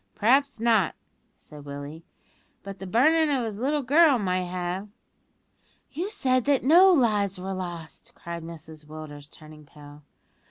"Humph! p'raps not," said Willie; "but the burnin' of his little girl might have " "You said that no lives were lost," cried Mrs Willders, turning pale.